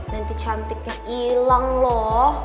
nanti cantiknya ilang loh